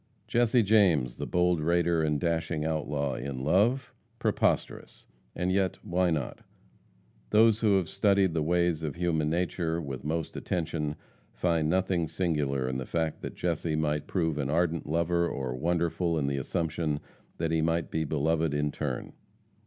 Jesse James, the bold raider and dashing outlaw, in love? Preposterous! And yet why not? Those who have studied the ways of human nature with most attention, find nothing singular in the fact that Jesse might prove an ardent lover, or wonderful in the assumption that he might be beloved in turn.